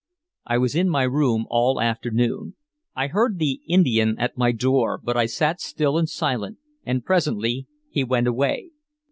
I was in my room all afternoon. I heard "the Indian" at my door, but I sat still and silent, and presently he went away.